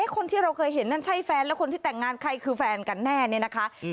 คนที่เราเคยเห็นนั่นใช่แฟนและคนที่แต่งงานใครคือแฟนกันแน่เนี่ยนะคะ